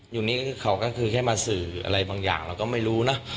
อยู่นี้เขาก็คือแค่มาสื่ออะไรบางอย่างเราก็ไม่รู้นะ